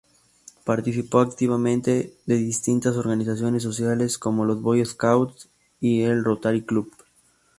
Participó activamente de distintas organizaciones sociales como los Boy Scouts y el Rotary Club.